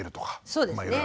そうですね。